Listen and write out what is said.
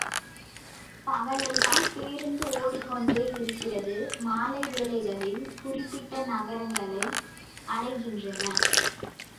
பகலெல்லாம் பேருந்து ஓடிக்கொண்டே இருக்கிறது மாலை வேளைகளில் குறிப்பிட்ட நகரங்களை அடைகின்றன.